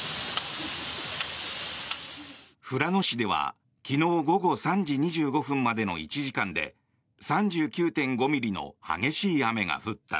富良野市では昨日午後３時２５分までの１時間で３９．５ミリの激しい雨が降った。